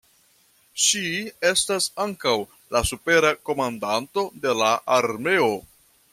Ŝi estas ankaŭ la supera komandanto de la armeo.